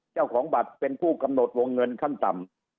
เจ้าของบัตรเป็นผู้กำหนดวงเงินขั้นต่ำ